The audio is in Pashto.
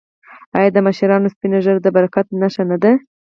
آیا د مشرانو سپینه ږیره د برکت نښه نه ده؟